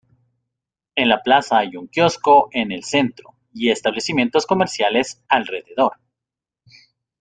En la plaza hay un kiosco en el centro, y establecimientos comerciales alrededor.